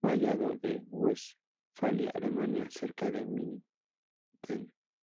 Fue hallado en Westfalia, Alemania, cerca de Minden.